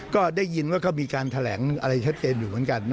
ก็ได้ยินว่าเขามีการแถลงอะไรชัดเจนอยู่เหมือนกัน